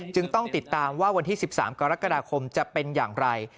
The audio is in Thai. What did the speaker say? ต้องติดตามว่าวันที่๑๓กรกฎาคมจะเป็นอย่างไร